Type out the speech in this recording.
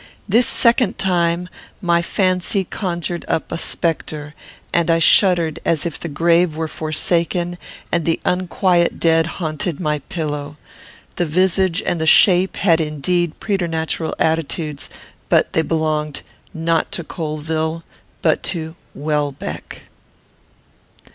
This second time, my fancy conjured up a spectre, and I shuddered as if the grave were forsaken and the unquiet dead haunted my pillow. The visage and the shape had indeed preternatural attitudes, but they belonged, not to Colvill, but to WELBECK.